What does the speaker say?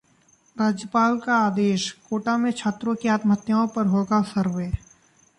राज्यपाल का आदेश, कोटा में छात्रों की आत्महत्याओं का होगा सर्वे